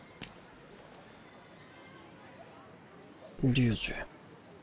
龍二。